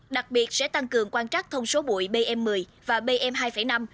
đặc biệt sẽ tăng cường quan trắc thông số bụi bm một mươi và bm hai năm